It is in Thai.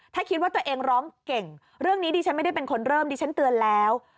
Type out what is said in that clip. ถ้าคิดว่าตัวเองร้องเก่งเรื่องนี้ดิฉันไม่ได้เป็นคนเริ่มดิฉันเตือนแล้ว